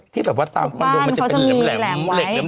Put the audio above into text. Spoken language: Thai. ที่แบบว่าตามความรู้มันจะเป็นเหล็ม